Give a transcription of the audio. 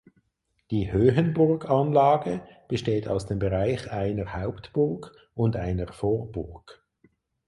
Die Höhenburganlage besteht aus dem Bereich einer Hauptburg und einer Vorburg.